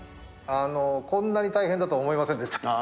こんなに大変だとは思いませんでした。